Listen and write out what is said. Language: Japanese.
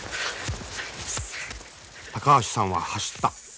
高橋さんは走った。